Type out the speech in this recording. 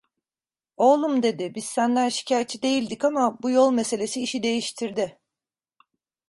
Oğlum dedi, "biz senden şikayetçi değildik ama, bu yol meselesi işi değiştirdi".